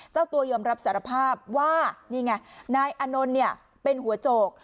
เจ้าตัวยอมรับสารภาพว่านี่ไงนายอานนท์เนี่ยเป็นหัวโจก